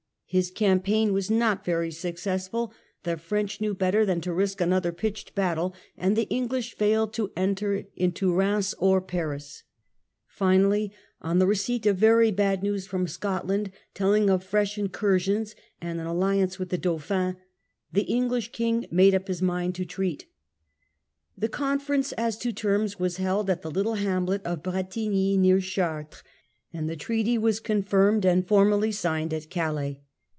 His campaign was not very successful ; the French knew better than to risk another pitched battle, and the Enghsh failed to enter into Keims or Paris. Finally, on the receipt of very bad news from Scotland telling of fresh incursions and an alliance with the Dauphin, the English King made up his mind to treat. The conference as to terms was held at the little hamlet of Bretigny near Chartres, and the Treaty was confirmed and formally signed at Calais.